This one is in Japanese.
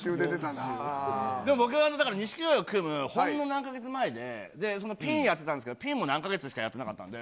でも僕、だから錦鯉組むのはほんの何か月前で、そのピンやってたんですけど、ピンも何か月しかやってなかったんで。